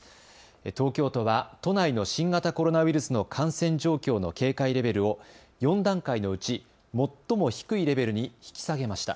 東京都は都内の新型コロナウイルスの感染状況の警戒レベルを４段階のうち最も低いレベルに引き下げました。